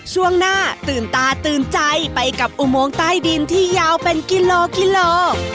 ช่วงหน้าตื่นตาตื่นใจไปกับอุโมงใต้ดินที่ยาวเป็นกิโลกิโล